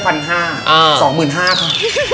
พันห้าสองหมื่นห้าค่ะ